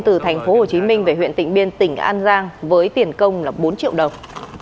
từ tp hcm về huyện tỉnh biên tỉnh an giang với tiền công là bốn triệu đồng